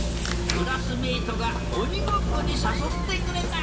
クラスメートがおにごっこにさそってくれた。